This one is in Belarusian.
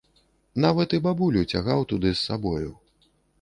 Нават і бабулю цягаў туды з сабою.